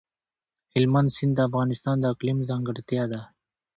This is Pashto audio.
هلمند سیند د افغانستان د اقلیم ځانګړتیا ده.